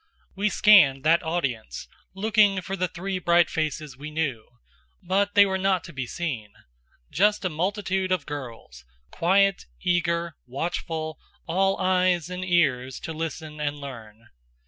We scanned that audience, looking for the three bright faces we knew; but they were not to be seen. Just a multitude of girls: quiet, eager, watchful, all eyes and ears to listen and learn.